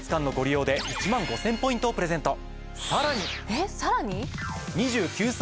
えっさらに？